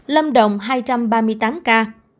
lâm động hai trăm ba mươi tám ca